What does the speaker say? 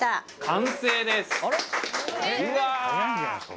完成です。